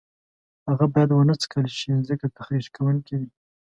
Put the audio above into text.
هغه باید ونه څکل شي ځکه تخریش کوونکي دي.